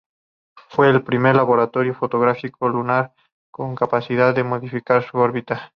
Fue el primer laboratorio fotográfico lunar con capacidad de modificar su órbita.